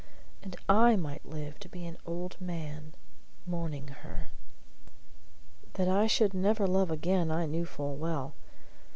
And I might live to be an old man, mourning her. That I should never love again I knew full well.